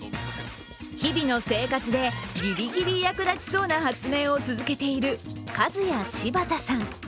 日々の生活で、ギリギリ役立ちそうな発明を続けているカズヤシバタさん。